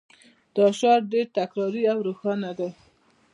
دا شعار ډیر تکراري او روښانه دی